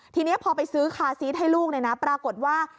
ทีนี้พอไปซื้อคาซีสให้ลูกเนี่ยนะปรากฏว่า